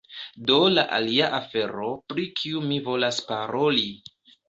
Do la alia afero, pri kiu mi volas paroli